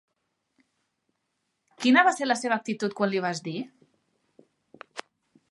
Quina va ser la seva actitud quan li vas dir?